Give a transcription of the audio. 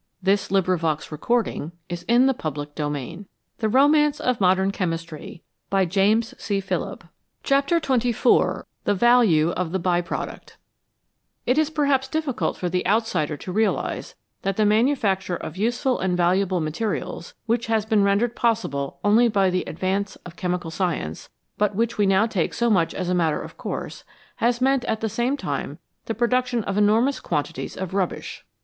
This is another ex ample of the way in which the name of science is taken in vain. 268 CHAPTER XXIV THE VALUE OF THE BY PRODUCT IT is perhaps difficult for the outsider to realise that the manufacture of useful and valuable materials, which has been rendered possible only by the advance of chemical science, but which we now take so much as a matter of course, has meant at the same time the production of enormous quantities of rubbish.